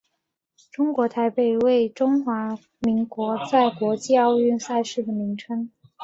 中华台北为中华民国在国际奥运赛事的名称。